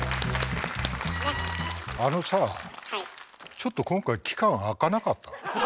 ちょっと今回期間空かなかった？